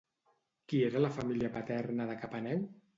Qui era la família paterna de Capaneu?